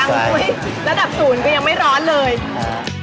ระดับ๐ก็ยังไม่ร้อนเลย